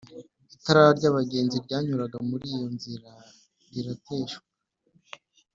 itara ry’abagenzi ryanyuraga muri iyo nzira rirateshuka,